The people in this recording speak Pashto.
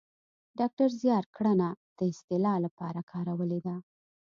ډاکتر زیار ګړنه د اصطلاح لپاره کارولې ده